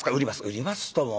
売りますとも。